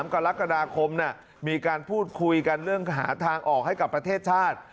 กรกฎาคมมีการพูดคุยกันเรื่องหาทางออกให้กับประเทศชาติ